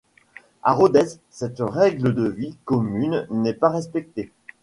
À Rodez, cette règle de vie commune n'est pas respectée.